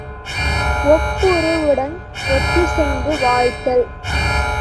ஒப்புரவுடன் ஒத்திசைந்து வாழ்தல்.